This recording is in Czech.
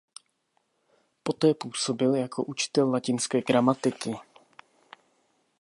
Poté působil jako učitel latinské gramatiky.